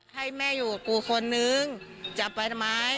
ให้แม่อยู่กับกูคนนึงจะไปทำไม